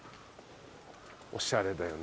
おしゃれだよな